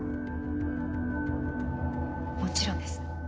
もちろんです。